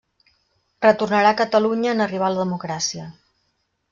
Retornarà Catalunya en arribar la democràcia.